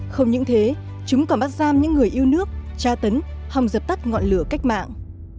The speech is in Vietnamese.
không những thế chúng còn bắt giam những người yêu nước tra tấn hòng dập tắt ngọn lửa cách mạng